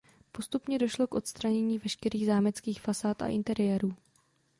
Postupně došlo k odstranění veškerých zámeckých fasád a interiérů.